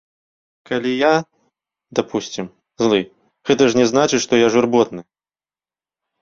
Калі я, дапусцім, злы, гэта ж не значыць, што я журботны?